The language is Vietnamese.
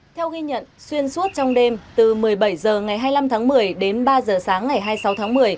theo ghi nhận xuyên suốt trong đêm từ một mươi bảy h ngày hai mươi năm tháng một mươi đến ba h sáng ngày hai mươi sáu tháng một mươi